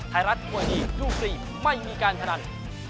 ไทยรัฐมวยดีดูฟรีไม่มีการพนัน